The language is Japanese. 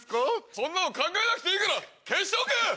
そんなの考えなくていいから消しておけ！